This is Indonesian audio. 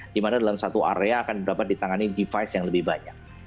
di mana dalam satu area akan dapat ditangani device yang lebih banyak